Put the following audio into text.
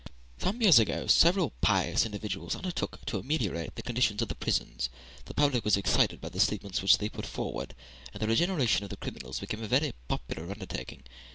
Some years ago several pious individuals undertook to ameliorate the condition of the prisons. The public was excited by the statements which they put forward, and the regeneration of criminals became a very popular undertaking.